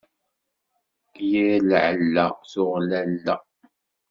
Yir lɛella tuɣ lalla.